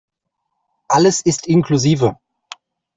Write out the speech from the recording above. Alles ist inklusive.